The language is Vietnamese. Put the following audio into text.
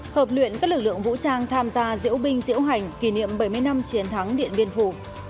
hợp luyện các lực lượng vũ trang tham gia diễu binh diễu hành kỷ niệm bảy mươi năm chiến thắng điện biên phủ